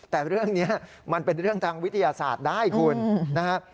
แต่เรื่องนี้มันเป็นเรื่องทางวิทยาศาสตร์ได้คุณนะฮะ